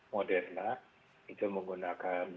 moderna itu menggunakan